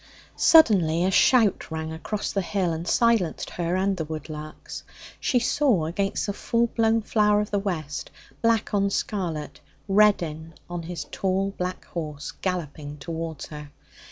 Suddenly a shout rang across the hill and silenced her and the woodlarks. She saw against the full blown flower of the west black on scarlet Reddin on his tall black horse, galloping towards her.